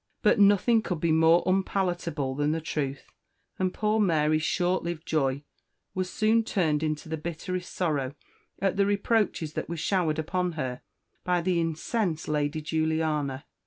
But nothing could be more unpalatable than the truth; and poor Mary's short lived joy was soon turned into the bitterest sorrow at the reproaches that were showered upon her by the incensed Lady Juliana.